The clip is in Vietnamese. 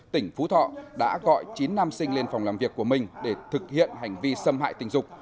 tỉnh phú thọ đã gọi chín nam sinh lên phòng làm việc của mình để thực hiện hành vi xâm hại tình dục